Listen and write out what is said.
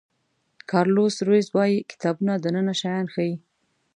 کارلوس رویز وایي کتابونه دننه شیان ښیي.